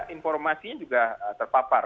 informasinya juga terpapar